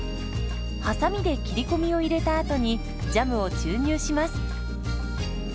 はさみで切り込みを入れたあとにジャムを注入します。